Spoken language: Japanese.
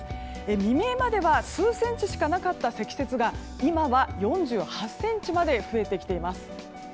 未明までは数センチしかなかった積雪が今は４８ｃｍまで増えてきています。